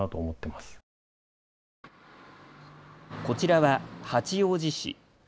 こちらは、八王子市。